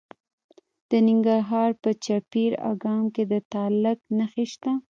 د ننګرهار په پچیر اګام کې د تالک نښې شته.